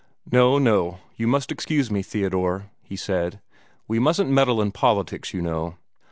"No, no; you must excuse me, Theodore," he said. "We mustn't meddle in politics, you know."